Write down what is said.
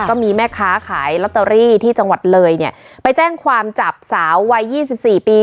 ก็มีแม่ค้าขายลอตเตอรี่ที่จังหวัดเลยเนี่ยไปแจ้งความจับสาววัยยี่สิบสี่ปี